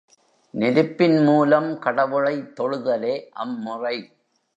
நெருப்பின் மூலம் கடவுளைத் தொழுதலே அம்முறை.